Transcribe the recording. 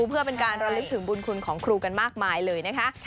เพื่อเป็นการระลึกถึงบุญคุณของครูกันมากมายเลยนะคะ